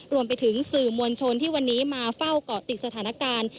รวมไปถึงสื่อมวลชนที่วันนี้มาเฝ้าเกาะติดสถานการณ์